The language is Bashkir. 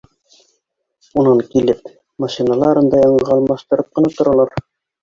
Унан килеп, машиналарын да яңыға алмаштырып ҡына торалар